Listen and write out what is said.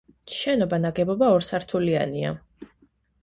შენობა ნაგებობა ორსართულიანია.